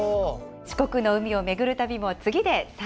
四国の海を巡る旅も次で最後です。